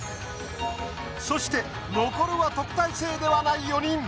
そして残るは特待生ではない４人。